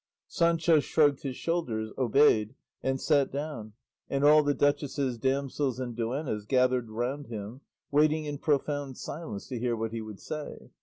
Sancho shrugged his shoulders, obeyed, and sat down, and all the duchess's damsels and duennas gathered round him, waiting in profound silence to hear what he would say.